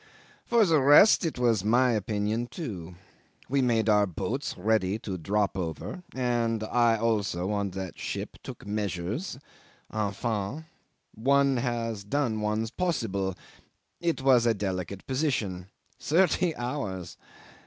For the rest, it was my opinion too. We made our boats ready to drop over and I also on that ship took measures. ... Enfin! One has done one's possible. It was a delicate position. Thirty hours!